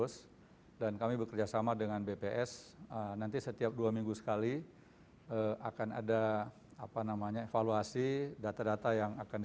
serta mencuci tangan